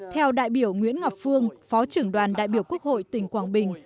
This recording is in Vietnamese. theo đại biểu nguyễn ngọc phương phó trưởng đoàn đại biểu quốc hội tỉnh quảng bình